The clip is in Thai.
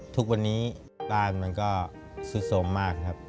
ทุกวันนี้บ้านมันก็สุดสมมากครับ